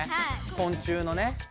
昆虫のね。